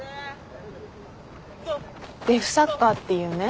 デフサッカーっていうね